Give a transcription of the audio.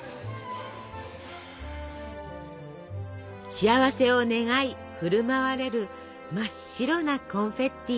幸せを願い振る舞われる真っ白なコンフェッティ。